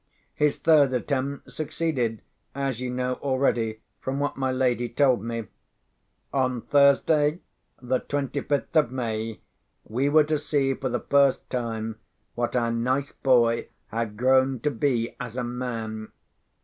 His third attempt succeeded, as you know already from what my lady told me. On Thursday the twenty fifth of May, we were to see for the first time what our nice boy had grown to be as a man.